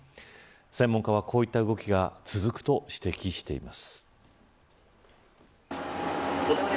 専門家は、こういった動きが続くと指摘しています。